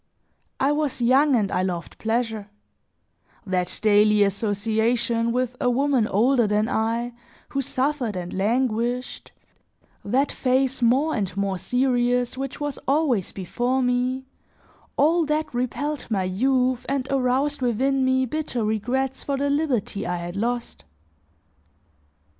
I was young and I loved pleasure; that daily association with a woman older than I who suffered and languished, that face more and more serious, which was always before me, all that repelled my youth and aroused within me bitter regrets for the liberty I had lost.